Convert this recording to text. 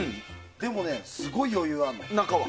でもね、すごい余裕あるのよ中は。